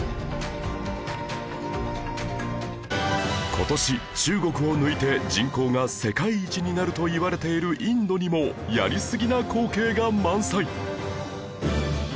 今年中国を抜いて人口が世界一になるといわれているインドにもやりすぎな光景が満載